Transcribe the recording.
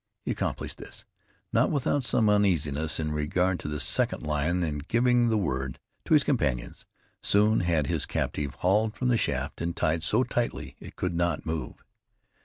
He accomplished this, not without some uneasiness in regard to the second lion, and giving the word to his companions, soon had his captive hauled from the shaft and tied so tightly it could not move.